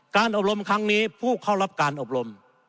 อบรมครั้งนี้ผู้เข้ารับการอบรม